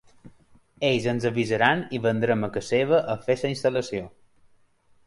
Ells ens avisaran i vindrem a ca seva a fer la instal·lació.